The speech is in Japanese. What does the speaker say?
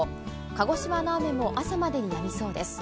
鹿児島の雨も朝までにやみそうです。